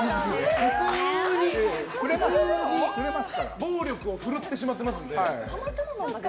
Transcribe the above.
普通に暴力をふるってしまってますので。